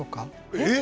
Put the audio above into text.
えっ！？